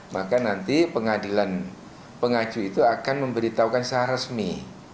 maka nanti pengadilan pengaju itu akan memberitahukan secara resmi